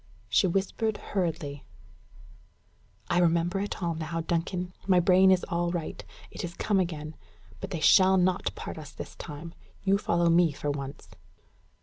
She whispered hurriedly: "I remember it all now, Duncan. My brain is all right. It is come again. But they shall not part us this time. You follow me for once."